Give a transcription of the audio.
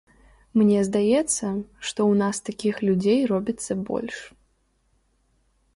Мне здаецца, што ў нас такіх людзей робіцца больш.